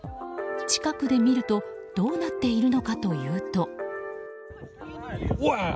近くで見るとどうなっているのかというと。